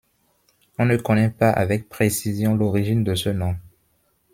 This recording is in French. On ne connait pas avec précision l'origine de ce nom.